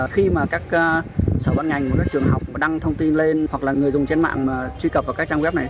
khi mà các sở ban ngành các trường học đăng thông tin lên hoặc là người dùng trên mạng truy cập vào các trang web này